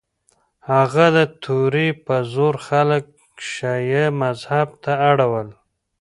هغه د توري په زور خلک شیعه مذهب ته اړول.